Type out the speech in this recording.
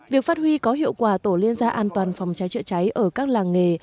việc phát huy có hiệu quả tổ liên gia an toàn phòng cháy chữa cháy ở các làng nghề